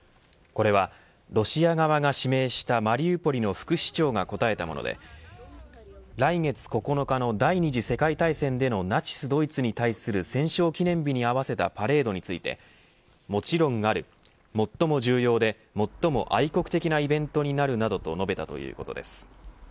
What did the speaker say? これは、ロシア側が指名したマリウポリの副市長が答えたもので来月９日の第二次世界大戦でのナチスドイツに対する戦勝記念日に合わせたパレードについて、もちろんある最も重要で最も愛国的なイベントになるなどと述べたということです。